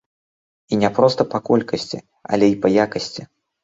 І не проста па колькасці, але і па якасці.